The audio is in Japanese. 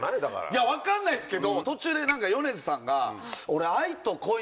いや分かんないですけど途中で米津さんが。